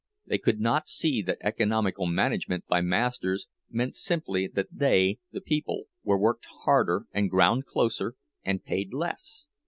They could not see that "economical" management by masters meant simply that they, the people, were worked harder and ground closer and paid less!